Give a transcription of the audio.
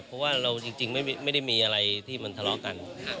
เพราะว่าเราจริงไม่ได้มีอะไรที่มันทะเลาะกัน